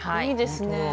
いいですね。